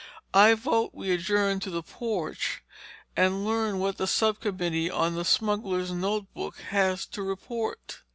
I vote we adjourn to the porch and learn what the subcommittee on the smugglers' notebook has to report."